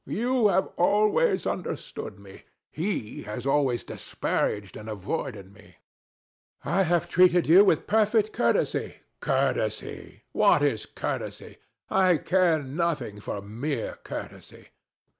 You have always understood me: he has always disparaged and avoided me. DON JUAN. I have treated you with perfect courtesy. THE DEVIL. Courtesy! What is courtesy? I care nothing for mere courtesy.